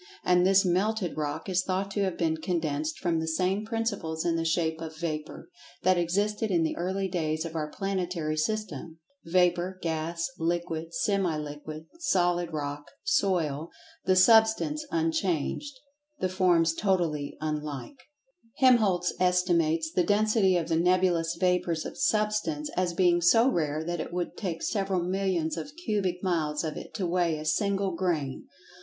And this "melted rock" is thought to have been condensed from the same principles in the shape of vapor, that existed in the early days of our planetary system. Vapor, gas, liquid,[Pg 88] semi liquid, solid rock, "soil"—the Substance unchanged, the forms totally unlike. Helmholtz estimates the density of the nebulous vapors of Substance as being so rare that it would take several millions of cubic miles of it to weigh a single grain.